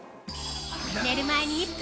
◆寝る前に１分。